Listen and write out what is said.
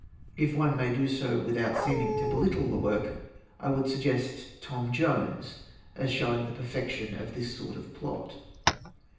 If one may do so without seeming to belittle the work, I would suggest *Tom Jones' as showing the perfection of this sort of plot.